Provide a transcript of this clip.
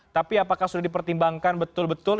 tapi apakah sudah dipertimbangkan betul betul